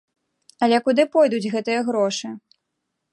Але куды пойдуць гэтыя грошы?